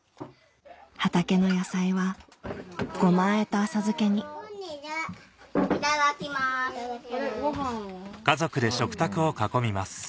畑の野菜はごまあえと浅漬けにいただきます。